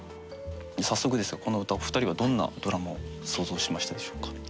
早速ですがこの歌お二人はどんなドラマを想像しましたでしょうか？